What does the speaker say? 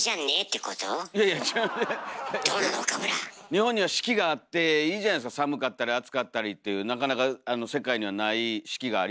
日本には四季があっていいじゃないですか寒かったり暑かったりっていうなかなか世界にはない四季がありますよ。